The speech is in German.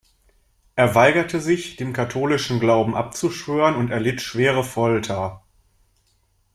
Er weigerte sich, dem katholischen Glauben abzuschwören und erlitt schwere Folter.